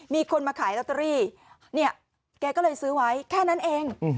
มีคนมาขายลอตเตอรี่เนี่ยแกก็เลยซื้อไว้แค่นั้นเอง